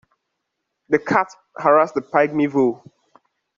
The cat harassed the pygmy vole.